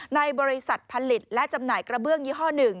ในบริษัทผลิตและจำหน่ายกระเบื้องยี่ห้อ๑